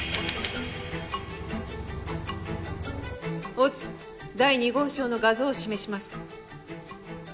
乙第２号証の画像を示します。